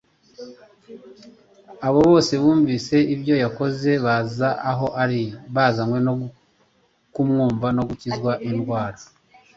«Abo bose bumvise ibyo yakoze baza aho ari.» "Bazanywe no kumwumva no gukizwa indwara zabo,